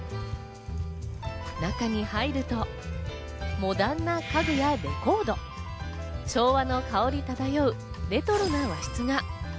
中に入ると、モダンな家具やレコード、昭和の香り漂うレトロな和室が。